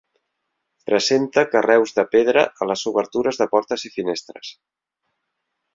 Presenta carreus de pedra a les obertures de portes i finestres.